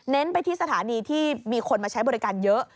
ไปที่สถานีที่มีคนมาใช้บริการเยอะ